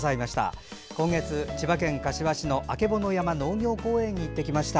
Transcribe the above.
今月、千葉県柏市のあけぼの山農業公園に行ってきました。